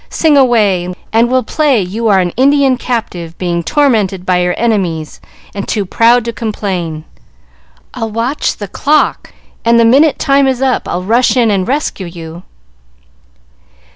Sing away, and we'll play you are an Indian captive being tormented by your enemies, and too proud to complain. I'll watch the clock, and the minute time is up I'll rush in and rescue you."